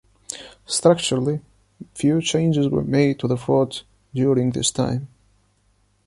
Structurally, few changes were made to the fort during this time.